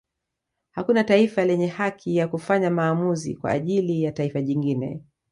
Hakuna taifa lenye haki ya kufanya maamuzi kwa ajili ya taifa jingine